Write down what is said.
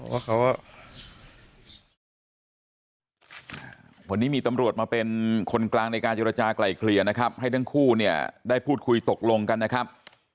ว่าเขามีตำรวจมาเป็นคนกลางในการเจรจากลายเกลี่ยนะครับให้ทั้งคู่เนี่ยได้พูดคุยตกลงกันนะครับ